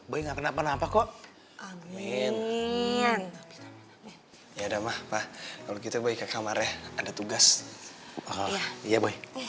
boleh nggak kenapa napa kok amin ya udah mah kalau gitu baik kamarnya ada tugas iya boy